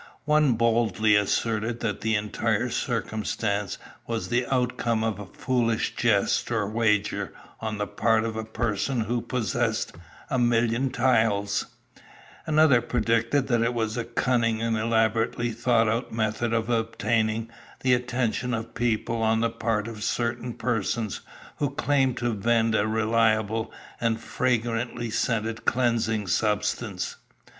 One boldly asserted that the entire circumstance was the outcome of a foolish jest or wager on the part of a person who possessed a million taels; another predicted that it was a cunning and elaborately thought out method of obtaining the attention of the people on the part of certain persons who claimed to vend a reliable and fragrantly scented cleansing substance.